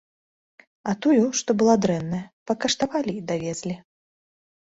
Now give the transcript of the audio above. А тую, што была дрэнная, пакаштавалі і давезлі.